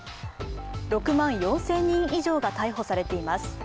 ６万４０００人以上が逮捕されています